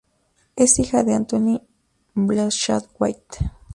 Es hija de Anthony Bradshaw-White.